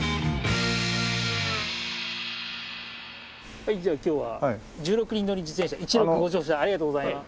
はいじゃあ今日は１６人乗り自転車イチロクにご乗車ありがとうございます。